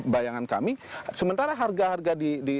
bayangan kami sementara harga harga di